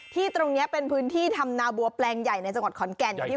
ที่ตรงนี้เป็นพื้นที่ทำนาบัวแปลงใหญ่ในจังหวัดขอนแก่นอยู่ที่